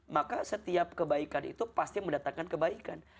maka setiap kebaikan itu pasti mendatangkan kebaikan